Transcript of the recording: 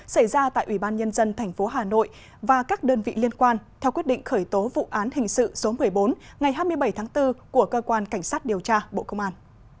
xảy ra tại ủy ban nhân dân tp hà nội và các đơn vị liên quan theo quyết định khởi tố vụ án hình sự số một mươi bốn ngày hai mươi bảy tháng bốn của cơ quan cảnh sát điều tra bộ công an